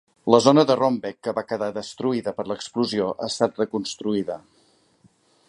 La zona de Roombeek que va quedar destruïda per l'explosió ha estat reconstruïda.